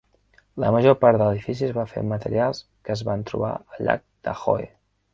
La major part de l'edifici es va fer amb materials que es van trobar al llac Tahoe.